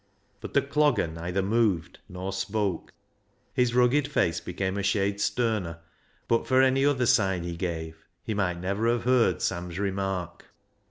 But the Clogger neither moved nor spoke. His rugged face became a shade sterner, but for any other sign he gave he might never have heard Sam's remark.